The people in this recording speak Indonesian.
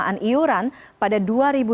yang diberikan oleh bapak ibu